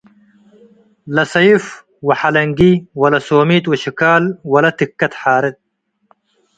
ለሰይፍ ወሐለንጊ ወለሶሚት ወሽካል ወለትከት ሓርጥ ።